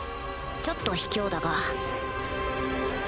ちょっと卑怯だが